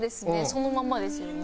そのままですよね。